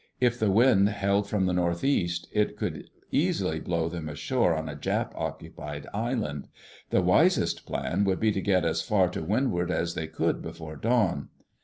If the wind held from the northeast, it could easily blow them ashore on a Jap occupied island. The wisest plan would be to get as far to windward as they could before dawn.